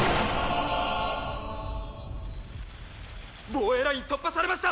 防衛ライン突破されました！